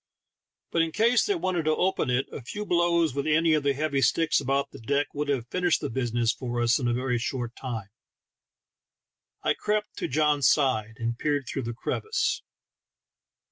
But in case they wanted to open it, a few blows with any of the heavy sticks about the deck would have finished the business for us in a very short time. I crept to John's side, and peered through the crevice.